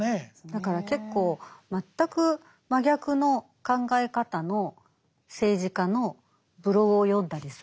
だから結構全く真逆の考え方の政治家のブログを読んだりするんですよ。